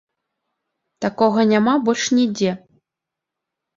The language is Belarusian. Такога няма больш нідзе.